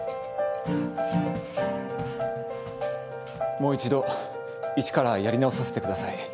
もう１度一からやり直させてください